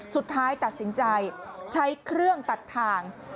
สุดท้ายตัดสินใจใช้เครื่องตัดทาง